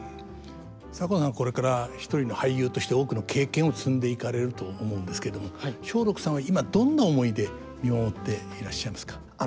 左近さんはこれから一人の俳優として多くの経験を積んでいかれると思うんですけれども松緑さんは今どんな思いで見守っていらっしゃいますか？